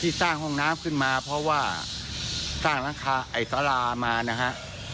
ที่สร้างห้องน้ำขึ้นมาเพราะว่าสร้างค่าไอศรามานะฮะ